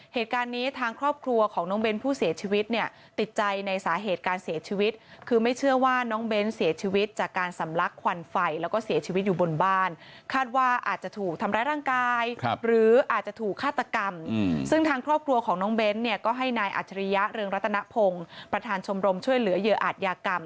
เหตุการณ์นี้ทางครอบครัวของน้องเบ้นผู้เสียชีวิตเนี่ยติดใจในสาเหตุการเสียชีวิตคือไม่เชื่อว่าน้องเบ้นเสียชีวิตจากการสำลักควันไฟแล้วก็เสียชีวิตอยู่บนบ้านคาดว่าอาจจะถูกทำร้ายร่างกายหรืออาจจะถูกฆาตกรรมซึ่งทางครอบครัวของน้องเบ้นเนี่ยก็ให้นายอัจฉริยะเรืองรัตนพงศ์ประธานชมรมช่วยเหลือเหยื่ออาจยากรรม